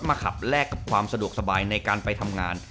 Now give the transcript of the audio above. มาขับแลกกับความสะดวกสบายในการไปทำงาน